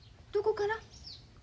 どこから？